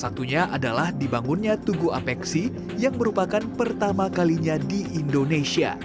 satunya adalah dibangunnya tugu apeksi yang merupakan pertama kalinya di indonesia